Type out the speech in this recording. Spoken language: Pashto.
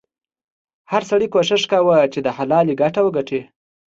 هر سړي کوښښ کاوه چې د حلالې ګټه وګټي.